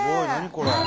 これ。